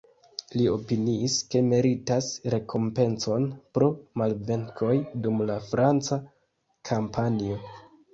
Li opiniis, ke meritas rekompencon pro malvenkoj dum la franca kampanjo.